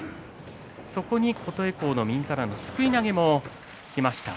そこに琴恵光の右からのすくい投げもきました。